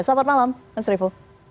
selamat malam mas revo